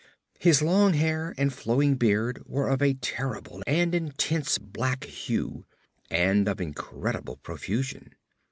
His long hair and flowing beard were of a terrible and intense black hue, and of incredible profusion.